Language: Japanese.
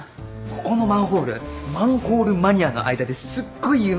ここのマンホールマンホールマニアの間ですっごい有名でさ。